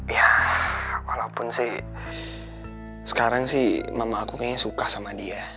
ya walaupun sih sekarang sih mama aku kayaknya suka sama dia